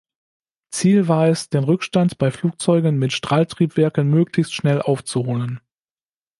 Ziel war es, den Rückstand bei Flugzeugen mit Strahltriebwerken möglichst schnell aufzuholen.